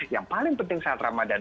yang paling penting saat ramadan